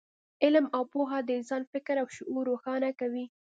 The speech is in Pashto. علم او پوهه د انسان فکر او شعور روښانه کوي.